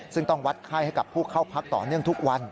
ซึ่งต้องวัดไข้ให้กับผู้เข้าพักต่อเนื่องทุกวัน